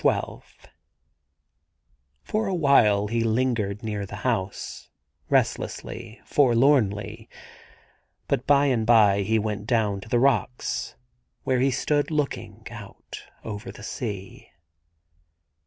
95 XII ^OR a while he lingered near the house, restlessly, forlornly, but by and by he went down to the rocks, wheie he stood looking out over the sea.